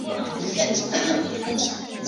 下周你那时有空